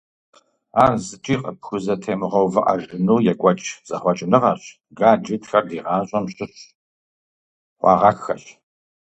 Ар зыкӀи къыпхузэтемыгъэувыӀэжыну екӀуэкӀ зэхъуэкӀыныгъэщ, гаджетхэр ди гъащӀэм щыщ хъуагъэххэщ.